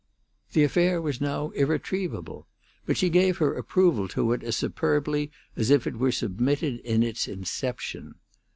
The affair was now irretrievable, but she gave her approval to it as superbly as if it were submitted in its inception.